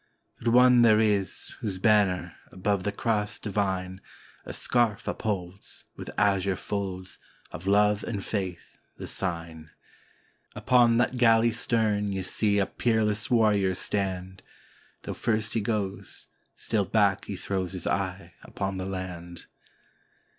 But one there is, whose banner, above the Cross divine, A scarf upholds, with azure folds, of love and faith the sign: Upon that galley's stem ye 'see a peerless warrior stand, Though first he goes, still back he throws his eye upon the land.